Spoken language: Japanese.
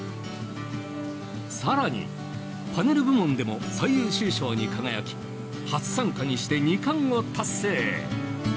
さらにパネル部門でも最優秀賞に輝き初参加にして２冠を達成！